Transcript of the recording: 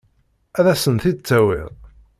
Ad as-tent-id-tawiḍ?